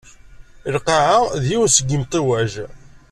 Lqaɛa d yiwen seg imtiwag.